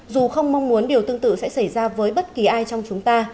dù không mong muốn điều tương tự sẽ xảy ra với bất kỳ ai trong chúng ta